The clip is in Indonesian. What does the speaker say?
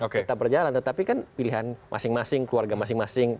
tetap berjalan tetapi kan pilihan masing masing keluarga masing masing